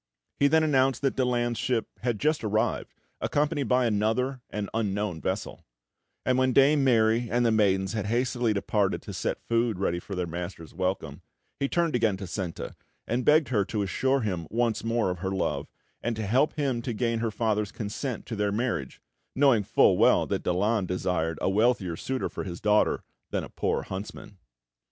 He then announced that Daland's ship had just arrived, accompanied by another and unknown vessel; and when Dame Mary and the maidens had hastily departed to set food ready for their master's welcome, he turned again to Senta, and begged her to assure him once more of her love, and to help him to gain her father's consent to their marriage, knowing full well that Daland desired a wealthier suitor for his daughter than a poor huntsman.